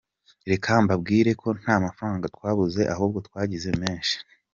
Reka mbambwire ko nta mafaranga twabuze ahubwo twagize menshi.